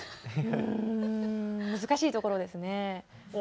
うん難しいところですね。